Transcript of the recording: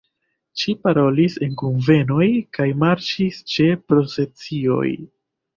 Ŝi parolis en kunvenoj kaj marŝis ĉe procesioj.